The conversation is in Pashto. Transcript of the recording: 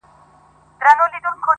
o برگ سپى د چغال ورور دئ٫